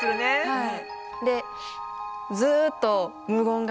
はい。